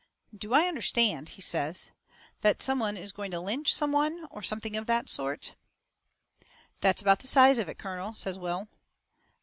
"Do I understand," he says, "that some one is going to lynch some one, or something of that sort?" "That's about the size of it, colonel," says Will.